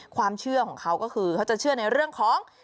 ความเชื่อของเขาก็คือเขาจะเชื่อในเรื่องของ